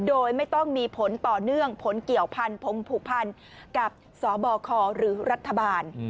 โดยไม่ต้องมีผลต่อเนื่องผลเกี่ยวพันธงผูกพันกับสบคหรือรัฐบาล